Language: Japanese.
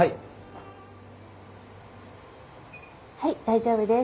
はい大丈夫です。